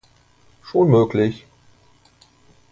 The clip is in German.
Schon möglich.